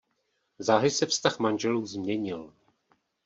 Záhy se vztah manželů změnil.